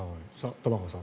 玉川さん